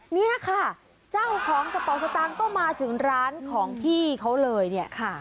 เนี่ยค่ะเจ้าของกระเป๋าสตางค์ก็มาถึงร้านของพี่เขาเลยเนี่ยค่ะ